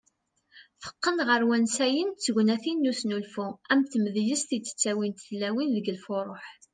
Teqqen ɣer wansayen d tegnatin n usnulfu ,am tmedyazt i d -ttawint tlawin deg lfuruh.